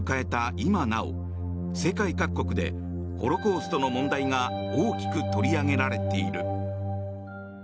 今なお世界各国でホロコーストの問題が大きく取り上げられている。